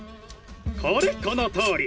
これこのとおり！